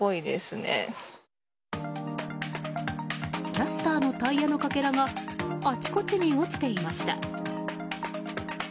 キャスターのタイヤのかけらがあちこちに落ちていました。